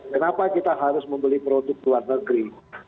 kenapa kita harus membeli produk luar negeri